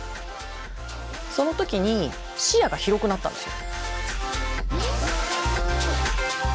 その時に視野が広くなったんですよ。